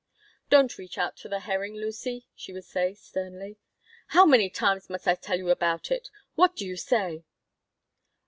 "Don't reach out for the herring, Lucy!" she would say, sternly. "How many times must I tell you about it? What do you say?"